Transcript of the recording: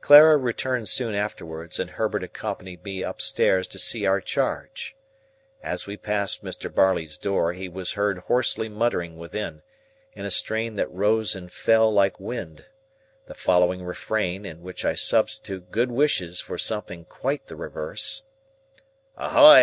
Clara returned soon afterwards, and Herbert accompanied me upstairs to see our charge. As we passed Mr. Barley's door, he was heard hoarsely muttering within, in a strain that rose and fell like wind, the following Refrain, in which I substitute good wishes for something quite the reverse:— "Ahoy!